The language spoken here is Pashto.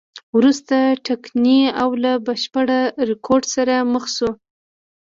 وروسته ټکنۍ او له بشپړ رکود سره مخ شوه.